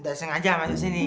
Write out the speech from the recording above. ga sengaja masuk sini